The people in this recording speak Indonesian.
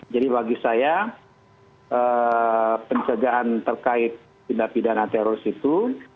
jadi bagi saya pencegahan terkait tindak pidana teroris itu